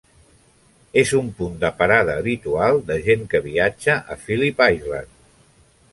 És un punt de parada habitual de gent que viatja a Phillip Island.